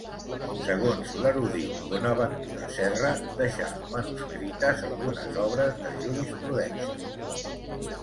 Segons l'erudit Bonaventura Serra, deixà manuscrites algunes obres de jurisprudència.